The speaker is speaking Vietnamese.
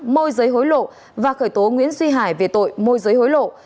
môi giới hối lộ và khởi tố nguyễn duy hải về tội môi giới hối lộ